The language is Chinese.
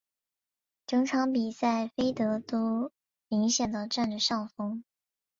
整场比赛菲德都明显的占着上风。